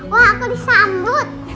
wah aku disambut